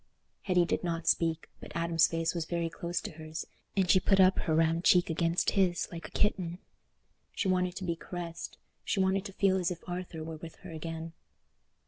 Hetty did not speak, but Adam's face was very close to hers, and she put up her round cheek against his, like a kitten. She wanted to be caressed—she wanted to feel as if Arthur were with her again.